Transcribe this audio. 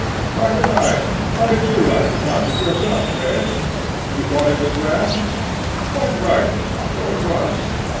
—By the by, how did you like the concert yourself, eh? You thought it was grand? Quite right; so it was.